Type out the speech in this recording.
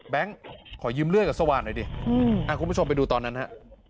ขอยืมเลือดกับสว่างหน่อยดิคุณผู้ชมไปดูตอนนั้นฮะ